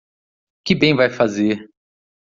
Que bem vai fazer?